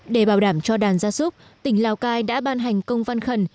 để bảo đảm cho đàn gia súc tỉnh lào cai đã ban hành công văn khẩn